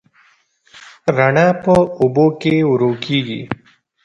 رڼا په اوبو کې ورو کېږي.